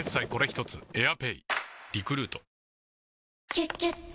「キュキュット」